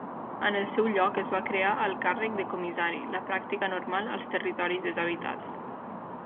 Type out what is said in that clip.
En el seu lloc es va crear el càrrec de comissari, la pràctica normal als territoris deshabitats.